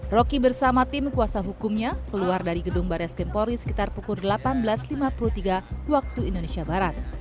rocky bersama tim kuasa hukumnya keluar dari gedung baris kempori sekitar pukul delapan belas lima puluh tiga waktu indonesia barat